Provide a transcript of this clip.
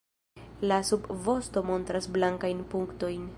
La subvosto montras blankajn punktojn.